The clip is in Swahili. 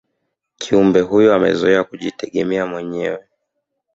kiumbe huyo amezoea kujitegemea mwenyewe